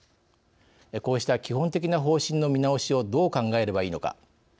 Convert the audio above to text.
こうした基本的な方針の見直しをどう考えればいいのか。